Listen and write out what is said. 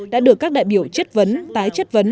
đã được các đại biểu chất vấn tái chất vấn